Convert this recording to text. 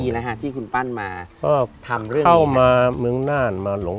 ปีแล้วฮะที่คุณปั้นมาก็เข้ามาเมืองน่านมาหลง